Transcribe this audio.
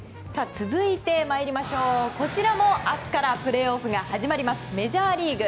続いてはこちらも明日からプレーオフが始まりますメジャーリーグ。